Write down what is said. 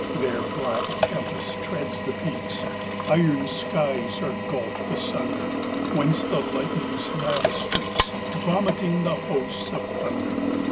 VI There black tempest treads the peaks; Iron skies are gulfed asunder, Whence the lightning's lava leaks, Vomiting the hosts of thunder.